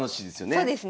そうですね。